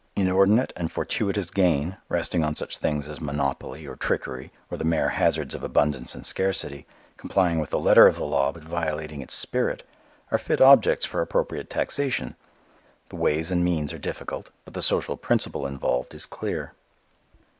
Inordinate and fortuitous gain, resting on such things as monopoly, or trickery, or the mere hazards of abundance and scarcity, complying with the letter of the law but violating its spirit, are fit objects for appropriate taxation. The ways and means are difficult, but the social principle involved is clear.